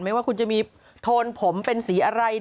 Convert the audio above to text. ว่าคุณจะมีโทนผมเป็นสีอะไร